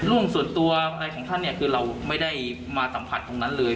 เรื่องส่วนตัวอะไรของท่านเนี่ยคือเราไม่ได้มาสัมผัสตรงนั้นเลย